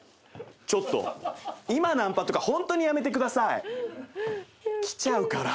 ちょっと今ナンパとかホントにやめてください。来ちゃうから。